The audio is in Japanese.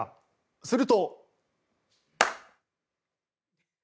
すると。